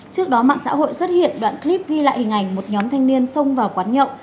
trước đó mạng xã hội xuất hiện đoạn clip ghi lại hình ảnh một nhóm thanh niên xông vào quán nhậu